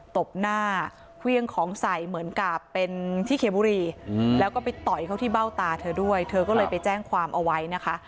ตบหน้าเครื่องของใส่เหมือนกับเป็นที่เคบุรีแล้วก็ไปต่อยเขาที่เบ้าตาเธอด้วยเธอก็เลยไปแจ้งความเอาไว้นะคะ